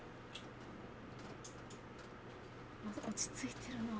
落ち着いてるな。